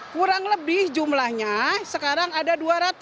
kurang lebih jumlahnya sekarang ada dua ratus